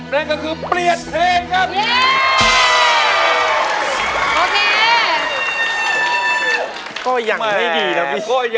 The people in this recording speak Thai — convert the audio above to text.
นั่นก็คือเปลี่ยนเพลงครับ